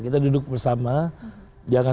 kita duduk bersama jangan